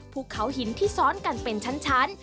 ภูเขาหินที่ซ้อนกันเป็นชั้น